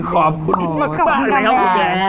ขอบคุณมากครับขอบคุณกำแหน่ง